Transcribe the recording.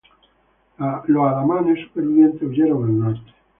Los alamanes supervivientes huyeron al norte.